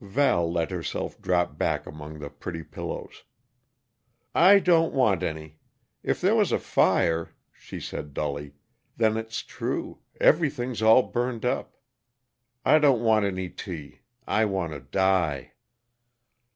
Val let herself drop back among the pretty pillows. "I don't want any. If there was a fire," she said dully, "then it's true. Everything's all burned up. I don't want any tea. I want to die!"